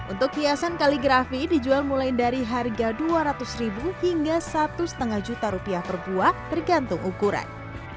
untuk hiasan kaligrafi dijual mulai dari harga rp dua ratus hingga rp satu lima juta per buah tergantung ukuran